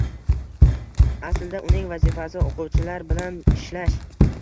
Aslida, uning vazifasi o‘quvchilar bilan ishlash.